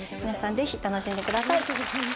皆さんぜひ楽しんでください。